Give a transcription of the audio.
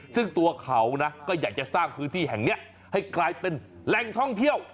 ซึ่งตัวเขาก็อยากจะสร้างพื้นที่แห่งนี้ให้กลายเป็นแหล่งท่องเที่ยว